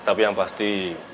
tapi yang pasti